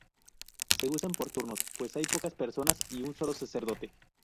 Se usan por turnos, pues hay pocas personas y un solo sacerdote.